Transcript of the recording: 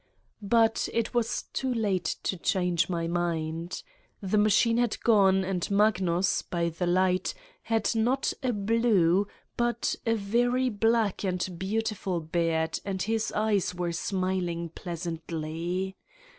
But it was too late to change my mind. The machine had gone and Magnus, by the light, had not a blue, but a very black and beautiful beard and his eyes were smiling pleasantly.